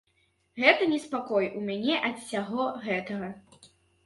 Гэта неспакой у мяне ад усяго гэтага.